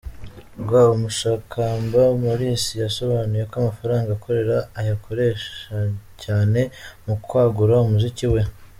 rw, Umushakamba Maurice yasobanuye ko amafaranga akorera ayakoreshacyane mu kwagura umuziki we.